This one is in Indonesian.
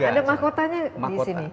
ada mahkotanya disini